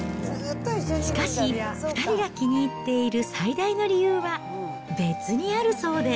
しかし、２人が気に入っている最大の理由は別にあるそうで。